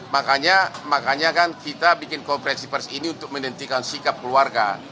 makanya makanya kan kita bikin konferensi pers ini untuk menghentikan sikap keluarga